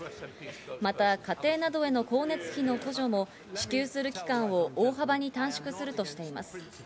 また家庭などへの光熱費の補助も支給する期間を大幅に短縮するとしています。